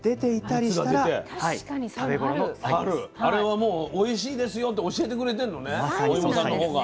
あれはもうおいしいですよと教えてくれてんのねおいもさんのほうが。